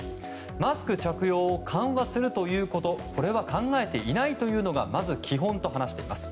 マスク着用を緩和するということこれは考えていないというのがまず基本と話しています。